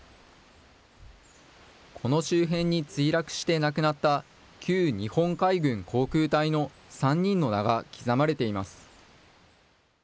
この周辺に墜落して亡くなった、旧日本海軍航空隊の３人の名が刻まれています。